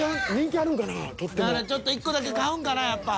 だからちょっと１個だけ買うんかなやっぱ。